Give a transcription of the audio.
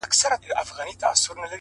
بس ده ه د غزل الف و با مي کړه ـ